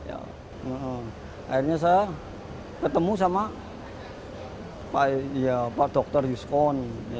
akhirnya saya ketemu sama pak dr yuskon